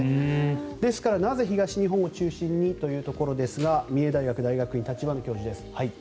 ですからなぜ東日本を中心にというところですが三重大学大学院の立花教授です。